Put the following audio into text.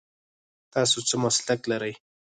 تاسو څه مسلک لرئ ؟